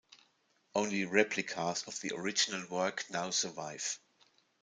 Only replicas of the original work now survive.